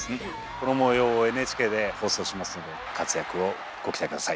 この模様をＮＨＫで放送しますので活躍をご期待下さい。